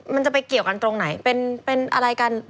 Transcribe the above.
มันจะไปเกี่ยวกันตรงไหนเป็นอะไรกัน